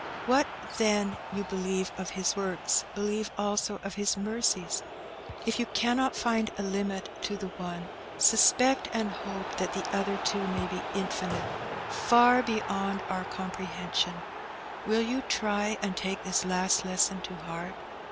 What then, you believe of His works, believe also of His mercies. If you cannot find a limit to the one, suspect and hope that the other, too, may be infinite–far beyond our comprehension. Will you try and take this last lesson to heart?"